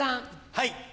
はい。